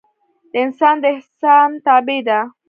انسان د احسان تابع ده